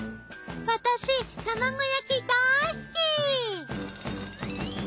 私卵焼きだい好き！